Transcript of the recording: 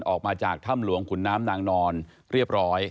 ออกมาจากถ้ำหลวงขุนน้ำนางนอนเรียบร้อย